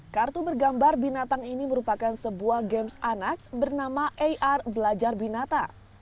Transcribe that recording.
kartu bergambar binatang ini merupakan sebuah games anak bernama ar belajar binata